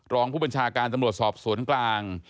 รองผู้บัญชาการตำรวจสอบสวนกลาง